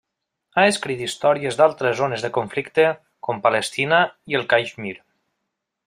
Ha escrit històries d'altres zones de conflicte, com Palestina i el Caixmir.